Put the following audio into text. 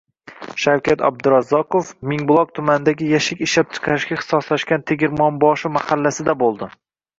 Shavkat Abdurazzoqov Mingbuloq tumanidagi yashik ishlab chiqarishga ixtisoslashgan “Tegirmonboshi” mahallasida bo‘ldi